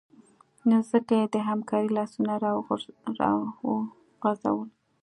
نو ځکه یې د همکارۍ لاسونه راوغځول